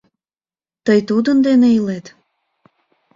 — Тый тудын дене илет?